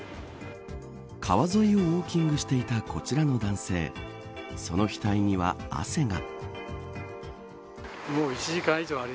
川沿いをウオーキングしていたこちらの男性その額には、汗が。